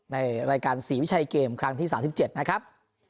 ในรายการศรีวิชัยเกมครั้งที่๓๗นะครับ